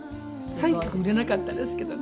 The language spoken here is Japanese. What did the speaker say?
３曲売れなかったですけどね。